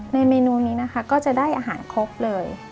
เมนูนี้นะคะก็จะได้อาหารครบเลย